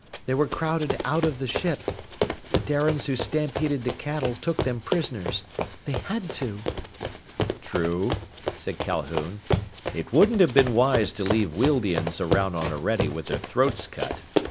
They were crowded out of the ship. The Darians who'd stampeded the cattle took them prisoners. They had to!" "True," said Calhoun. "It wouldn't have been wise to leave Wealdians around on Orede with their throats cut.